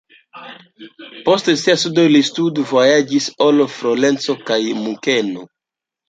Post siaj studoj li studvojaĝis al Florenco kaj Munkeno.